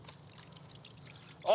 あ！